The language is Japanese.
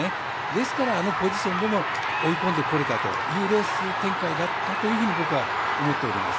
ですから、あのポジションで追い込んでこれたというレース展開だったというふうに僕は思っています。